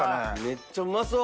めっちゃうまそう！